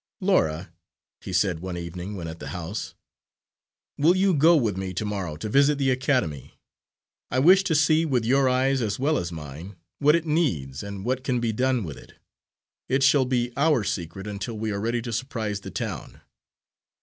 "Laura," he said one evening when at the house, "will you go with me to morrow to visit the academy? I wish to see with your eyes as well as with mine what it needs and what can be done with it. It shall be our secret until we are ready to surprise the town."